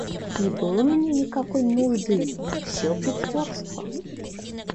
Не было мне никакой нужды... Всё притворство!